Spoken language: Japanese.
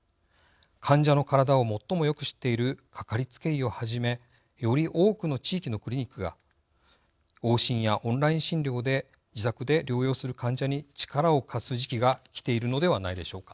患者の体を最もよく知っているかかりつけ医をはじめより多くの地域のクリニックが往診やオンライン診療で自宅で療養する患者に力を貸す時期が来ているのではないでしょうか。